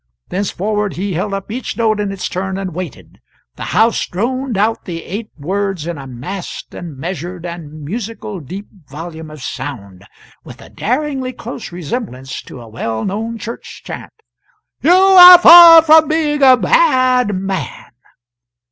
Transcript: Thenceforward he held up each note in its turn and waited. The house droned out the eight words in a massed and measured and musical deep volume of sound (with a daringly close resemblance to a well known church chant) "You are f a r from being a b a a a d man."